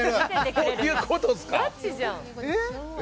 どういうことですか。